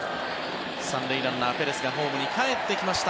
３塁ランナー、ペレスがホームにかえってきました。